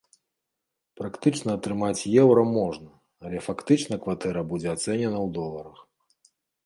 Практычна атрымаць еўра можна, але фактычна кватэра будзе ацэнена ў доларах.